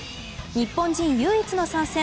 日本人唯一の参戦